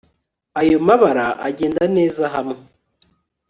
ayo mabara agenda neza hamwe